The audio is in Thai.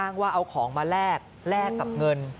ว่าเอาของมาแลกแลกกับเงิน